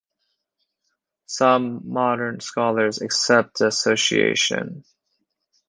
Some modern scholars accept the association.